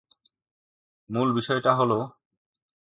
মূল বিষয়টা হল: